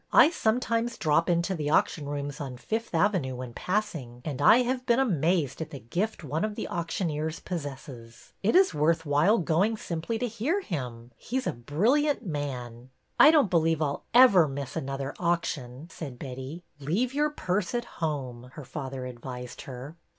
I sometimes drop into the auction rooms on Fifth Avenue when pass ing, and I have been amazed at the gift one of the auctioneers possesses. It is worth while going simply to hear him. He 's a brilliant man." '' I don't believe I 'll ever miss another auc tion," said Betty. '' Leave your purse at home," her father advised her.